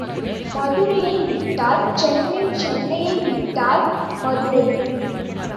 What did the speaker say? மதுரையை விட்டால் சென்னை சென்னையை விட்டால் மதுரை.